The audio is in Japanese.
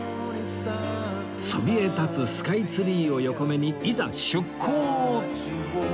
そびえ立つスカイツリーを横目にいざ出港！